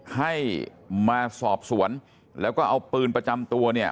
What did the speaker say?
ให้มาสอบสวนแล้วก็เอาปืนประจำตัวเนี่ย